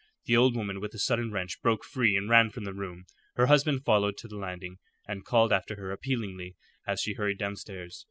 The old woman with a sudden wrench broke free and ran from the room. Her husband followed to the landing, and called after her appealingly as she hurried downstairs.